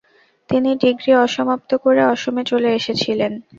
তিনি ডিগ্রী অসমাপ্ত করে অসমে চলে এসেছিলেন।